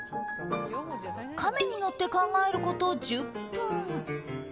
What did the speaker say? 亀に乗って考えること１０分。